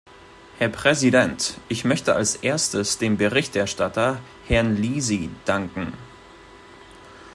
Herr Präsident, ich möchte als Erstes dem Berichterstatter, Herrn Lisi, danken.